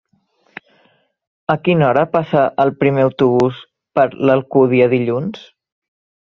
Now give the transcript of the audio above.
A quina hora passa el primer autobús per l'Alcúdia dilluns?